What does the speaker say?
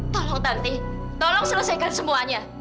tolong nanti tolong selesaikan semuanya